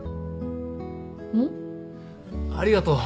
ありがとう。